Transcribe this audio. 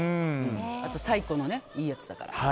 あと、最古のいいやつだから。